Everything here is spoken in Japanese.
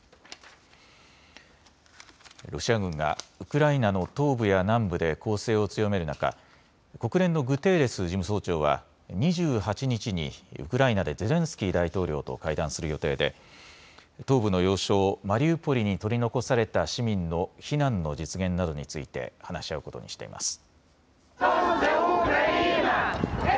ロシア軍がウクライナの東部や南部で攻勢を強める中、国連のグテーレス事務総長は２８日にウクライナでゼレンスキー大統領と会談する予定で東部の要衝マリウポリに取り残された市民の避難の実現などについて話し合うことにしています。